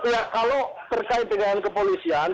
ya kalau terkait dengan kepolisian